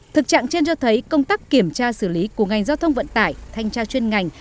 thực trạng trên cho thấy công tác kiểm tra xử lý của ngành giao thông vận tải thanh tra chuyên ngành